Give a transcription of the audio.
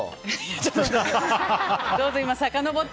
ちょっと待って。